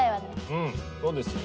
うんそうですよ。